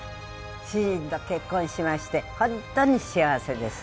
主人と結婚しまして、本当に幸せです。